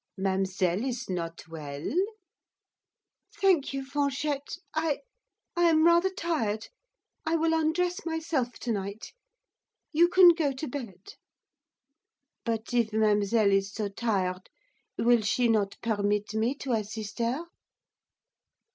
'Mademoiselle is not well?' 'Thank you, Fanchette, I I am rather tired. I will undress myself to night you can go to bed.' 'But if mademoiselle is so tired, will she not permit me to assist her?